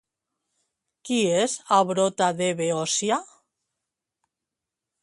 Qui és Abrota de Beòcia?